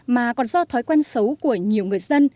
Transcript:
mà còn do thói quen xấu của nhiều người dân